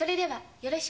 よろしく。